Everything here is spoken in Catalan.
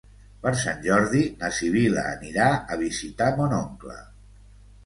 Per Sant Jordi na Sibil·la anirà a visitar mon oncle.